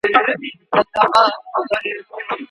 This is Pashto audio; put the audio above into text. دا ناوړه دودونه به ژر ختم سي.